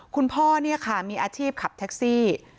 คุณพ่อมีอาชีพขับแท็กซี่